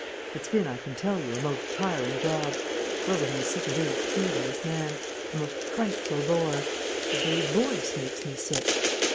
It's been, I can tell you, a most tiring job. Wilbraham is such a very tedious man. A most frightful bore. His very voice makes me sick....